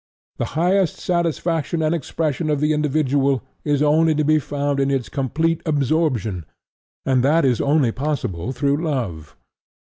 The highest satisfaction and expression of the individual is only to be found in his complete absorption, and that is only possible through love.